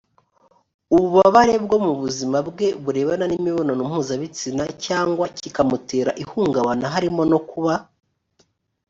ububabare bwo mu buzima bwe burebana n imibonano mpuzabitsina cyangwa kikamutera ihungabana harimo no kuba